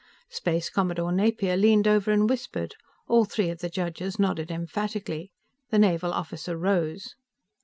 Space Commodore Napier leaned over and whispered; all three of the judges nodded emphatically. The naval officer rose.